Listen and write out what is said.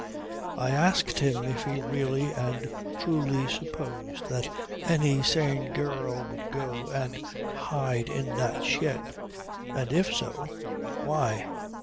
I asked him if he really and truly supposed that any sane girl would go and hide in that shed; and if so why?